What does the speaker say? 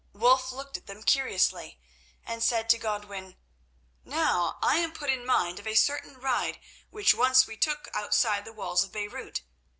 Wulf looked at them curiously and said to Godwin: "Now I am put in mind of a certain ride which once we took outside the walls of Beirut.